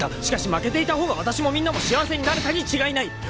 ［しかし負けていた方がわたしもみんなも幸せになれたに違いない！］